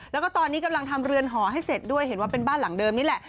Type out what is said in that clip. แล้วก็ตอนนี้กำลังทำเรือนหอให้เสร็จด้วยเห็นว่าเป็นบ้านหลังเดิมนี่แหละ